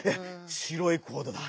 白いコードだ。